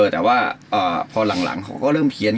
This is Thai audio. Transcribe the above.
แต่ว่าพอหลังเขาก็เริ่มเพี้ยน